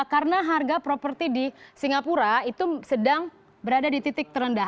karena harga properti di singapura itu sedang berada di titik terendah